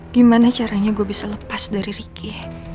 gimana caranya gue bisa lepas dari ricky